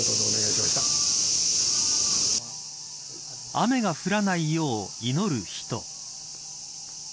雨が降らないよう祈る人。